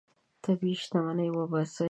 طبیعي شتمني وباسئ.